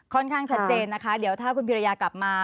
ค่อนข้างชัดเจนนะคะเดี๋ยวถ้าคุณพิรญญากลับมา